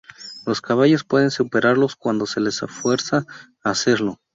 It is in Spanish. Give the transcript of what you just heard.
Los caballos pueden superarlos cuando se les fuerza a hacerlo.